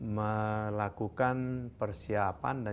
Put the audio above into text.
melakukan persiapan dan